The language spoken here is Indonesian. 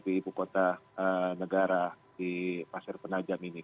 di ibu kota negara di pasir penajam ini